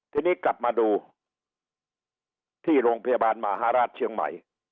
ทีนี้กลับมาดูที่โรงพยาบาลมหาราชเชียงใหม่